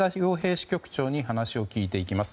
支局長に話を聞いていきます。